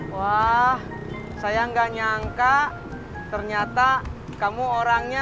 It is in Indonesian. wah saya nggak nyangka ternyata kamu orangnya